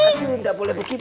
aduh gak boleh begitu